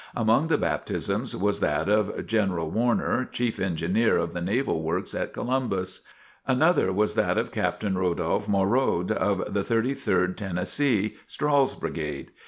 Among the baptisms, was that of General Warner, chief engineer of the Naval Works at Columbus. Another was that of Captain Rodolph Morerod, of the Thirty third Tennessee, Strahl's brigade.